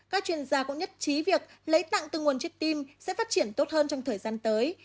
các chuyên gia cũng nhất trí việc lấy tặng từ nguồn chất tim sẽ phát triển tốt hơn trong thời gian tới